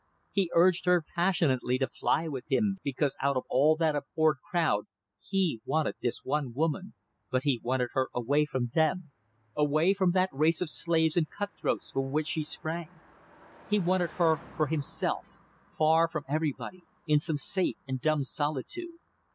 He urged her passionately to fly with him because out of all that abhorred crowd he wanted this one woman, but wanted her away from them, away from that race of slaves and cut throats from which she sprang. He wanted her for himself far from everybody, in some safe and dumb solitude.